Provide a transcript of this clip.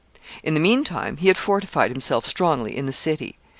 In the mean time, he had fortified himself strongly in the city.